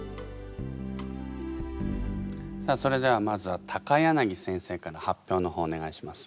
さあそれではまずは柳先生から発表のほうをお願いします。